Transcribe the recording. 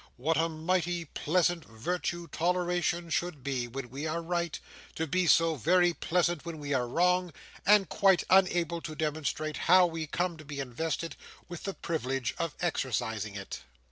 What a mighty pleasant virtue toleration should be when we are right, to be so very pleasant when we are wrong, and quite unable to demonstrate how we come to be invested with the privilege of exercising it!